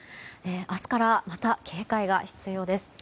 明日からまた警戒が必要です。